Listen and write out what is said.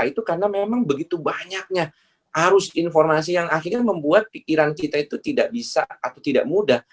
itu karena memang begitu banyaknya arus informasi yang akhirnya membuat pikiran kita itu tidak bisa atau tidak mudah